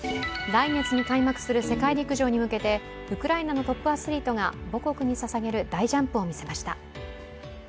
来月に開幕する世界陸上に向けてウクライナのトップアスリートが母国に捧げる大ジャンプを見せました。